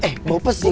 eh bau pes nih